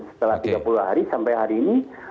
setelah tiga puluh hari sampai hari ini